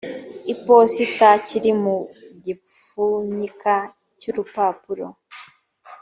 iposita kiri mu gipfunyika cy urupapuro